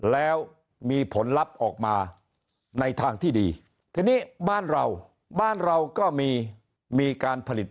แล้วมีผลลัพธ์ออกมาในทางที่ดีทีนี้บ้านเราบ้านเราก็มีการผลิต